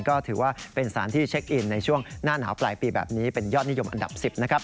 ก็ถือว่าเป็นสารที่เช็คอินในช่วงหน้าหนาวปลายปีแบบนี้เป็นยอดนิยมอันดับ๑๐นะครับ